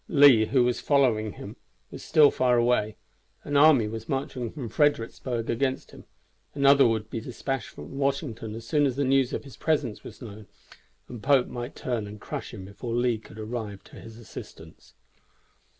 Lee, who was following him, was still far away. An army was marching from Fredericksburg against him, another would be despatched from Washington as soon as the news of his presence was known, and Pope might turn and crush him before Lee could arrive to his assistance.